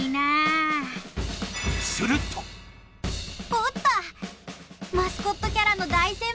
「おっと」